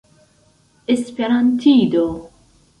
esperantido